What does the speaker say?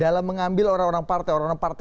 dalam mengambil orang orang partai orang orang partai